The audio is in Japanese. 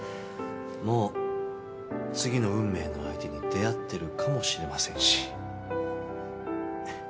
もう次の運命の相手に出会っているかもしれませんし。